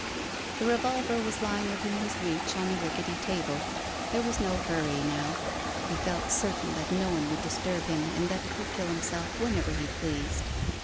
The revolver was lying within his reach on the rick ety table. There was no hurry now; he felt certain that no one would disturb him, and that he could kill himself whenever he pleased.